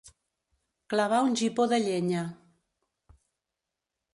Clavar un gipó de llenya.